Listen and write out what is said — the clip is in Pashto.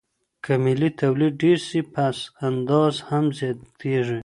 که ملي توليد ډېر سي پس انداز هم زياتيږي.